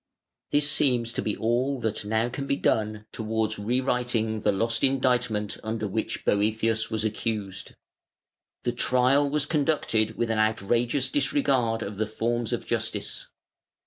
This seems to be all that can now be done towards re writing the lost indictment under which Boëthius was accused. The trial was conducted with an outrageous disregard of the forms of justice.